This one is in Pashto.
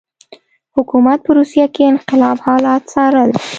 حکومت په روسیه کې انقلاب حالات څارل.